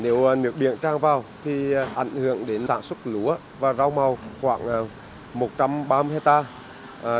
nếu nước biển trang vào thì ảnh hưởng đến sản xuất lúa và rau màu khoảng một trăm ba mươi hectare